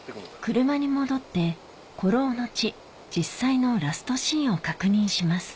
車に戻って『孤狼の血』実際のラストシーンを確認します